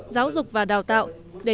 giáo dục và đào tạo